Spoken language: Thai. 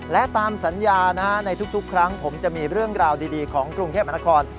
และตามสัญญาในทุกครั้งผมจะมีเรื่องราวดีของกรุงเทพมหานคร